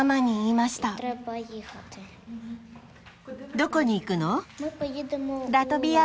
どこに行くの？